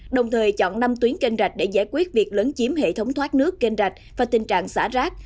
đồng thời chọn năm tuyến canh giạch để giải quyết việc lấn chiếm hệ thống thoát nước canh giạch và tình trạng xả rác